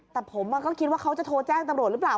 แต่ผมก็คิดว่าเขาจะโทรแจ้งตำรวจหรือเปล่า